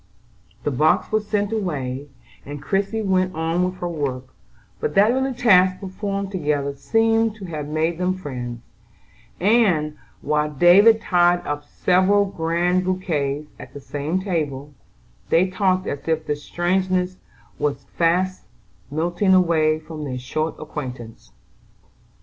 The box was sent away, and Christie went on with her work, but that little task performed together seemed to have made them friends; and, while David tied up several grand bouquets at the same table, they talked as if the strangeness was fast melting away from their short acquaintance.